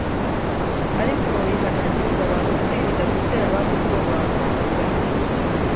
ariko yihanangiriza abantu kwirinda gutera abandi ubwoba bashyiraho